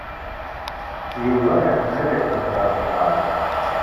Yuba iḥemmel ad iqedder asɣar.